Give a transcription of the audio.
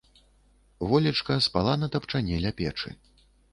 Волечка спала на тапчане ля печы.